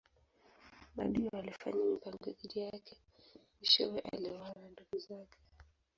Maadui walifanya mipango dhidi yake mwishowe aliuawa na ndugu zake.